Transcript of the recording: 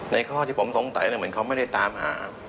ข้อที่ผมสงสัยเหมือนเขาไม่ได้ตามหา